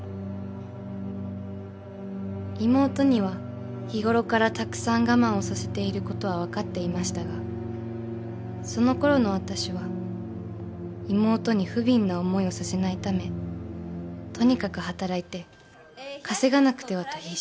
［妹には日ごろからたくさん我慢をさせていることは分かっていましたがそのころの私は妹にふびんな思いをさせないためとにかく働いて稼がなくてはと必死でした］